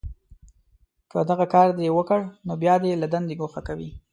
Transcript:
که دغه کار دې وکړ، نو بیا دې له دندې گوښه کوي